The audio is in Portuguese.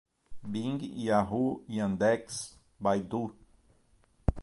Bing, Yahoo, Yandex, Baidu